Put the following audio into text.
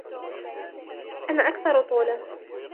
أنا أكثر طولاً.